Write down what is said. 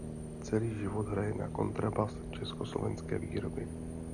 Celý život hraje na kontrabas československé výroby.